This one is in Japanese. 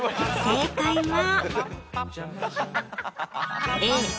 正解は。